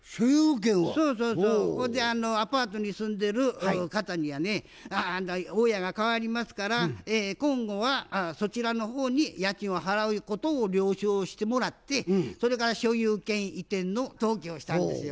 アパートに住んでる方にやね大家がかわりますから今後はそちらの方に家賃を払うことを了承してもらってそれから所有権移転の登記をしたんですよ。